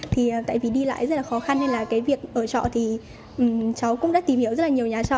tại vì đi lại rất là khó khăn nên việc ở trọ thì trọ cũng đã tìm hiểu rất nhiều nhà trọ